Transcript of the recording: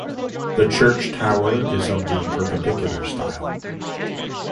The church tower is of the Perpendicular style.